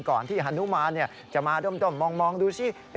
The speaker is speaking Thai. ก่อนที่ฮานุมานจะมาด้มมองดูสิ